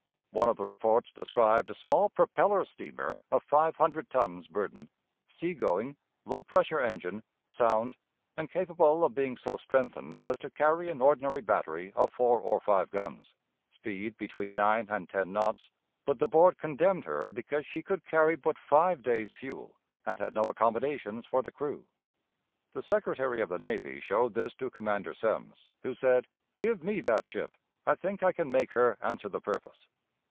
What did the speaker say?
One of the reports described a small propeller steamer of five hundred tons burden, sea going, low pressure engine, sound, and capable of being so strengthened as to carry an ordinary battery of four or five guns; speed between nine and ten knots, but the board condemned her because she could carry but five days' fuel, and had no accommodations for the crew. The Secretary of the Navy showed this to Commander Semmes, who said: "Give me that ship; I think I can make her answer the purpose."